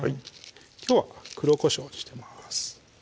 きょうは黒こしょうにしてます